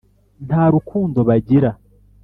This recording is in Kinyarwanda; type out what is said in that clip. ntarukundo bagira